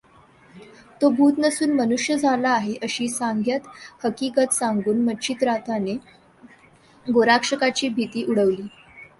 तो भूत नसून मनुष्य झाला आहे, अशी साद्यंत हकीगत सांगून मच्छिंद्रनाथाने गोरक्षाची भीति उडविली